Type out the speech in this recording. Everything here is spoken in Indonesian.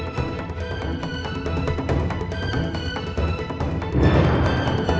sekarang buka lemarinya ya